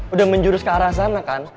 udah menjurus ke arah sana kan